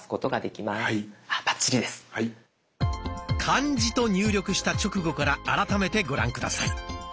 「漢字」と入力した直後から改めてご覧下さい。